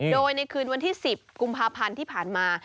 โดยในคืนวันที่๑๐กุมภาพันธ์ที่ผ่านมา